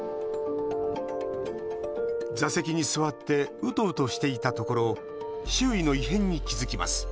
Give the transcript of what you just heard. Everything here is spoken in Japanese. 座席に座ってうとうとしていたところ周囲の異変に気付きます。